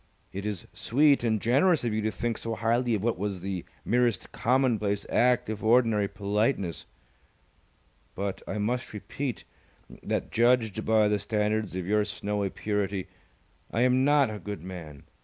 It is sweet and generous of you to think so highly of what was the merest commonplace act of ordinary politeness, but I must repeat, that judged by the standards of your snowy purity, I am not a good man.